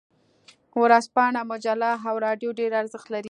ورځپاڼه، مجله او رادیو ډیر ارزښت لري.